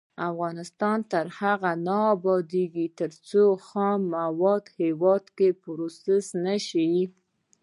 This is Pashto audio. افغانستان تر هغو نه ابادیږي، ترڅو خام مواد په هیواد کې پروسس نشي.